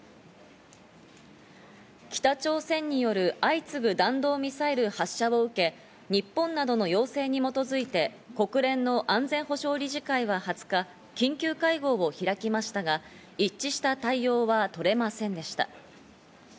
北朝鮮による相次ぐ弾道ミサイル発射を受け、日本などの要請に基づいて国連の安全保障理事会は２０日、緊急会合を開きましたが、一致した対応は取れませんでした。